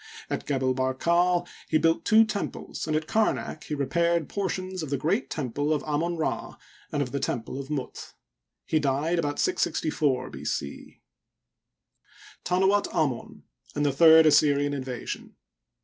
At Gebel Bar kal he built two temples, and at Kamak he repaired por tions of the g^eat temple of Amon Ra and of the temple of Mut. He died about 664 B. C. Tanuat Amon and the Third Assyrian In vasion.